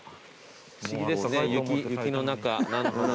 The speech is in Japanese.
不思議ですね雪の中菜の花。